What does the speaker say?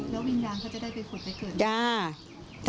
แล้ววิญญาณเขาจะได้ไปขุดไปเกิดย่า